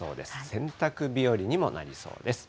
洗濯日和にもなりそうです。